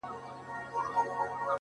• و تاته چا زما غلط تعريف کړی و خدايه،